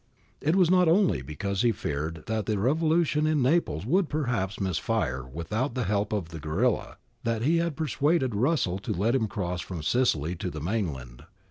It was only because he feared that the revolution in Naples would perhaps miss fire without the help of the guerilla, that he had persuaded Russell to let him cross from Sicily to the mainland.